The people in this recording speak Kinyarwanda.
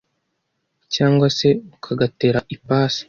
cyangwa se ukagatera ipasi.